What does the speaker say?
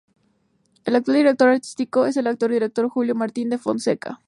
El actual director artístico es el actor y director Júlio Martín da Fonseca.